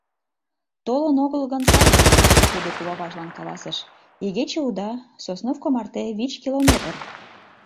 — Толын огыл гын, сай гына, — тудо куваважлан каласыш, — игече уда, Сосновка марте вич километр.